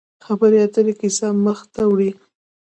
خبرې اترې کیسه مخ ته وړي.